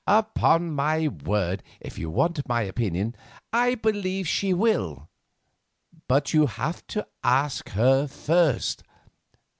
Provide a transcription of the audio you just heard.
"Upon my word, if you want my opinion, I believe she will; but you have to ask her first.